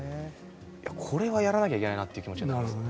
これはやらなきゃいけないなという気持ちになりましたね。